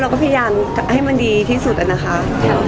เราก็พยายามให้มันดีที่สุดอะนะคะ